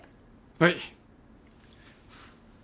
はい。